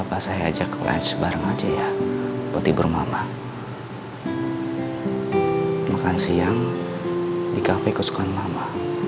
apa saya ajak lunch bareng aja ya putih bermama makan siang di cafe kesukaan mama